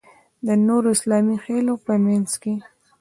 د نورو اسلامي خېلونو په منځ کې.